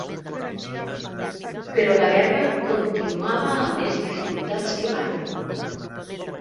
Però la guerra continuava amb més dificultats que mai.